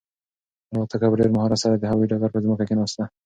الوتکه په ډېر مهارت سره د هوايي ډګر پر ځمکه کښېناسته.